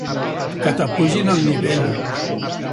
Que t'apugin el nivell!